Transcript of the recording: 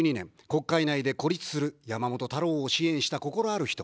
国会内で孤立する山本太郎を支援した心ある人。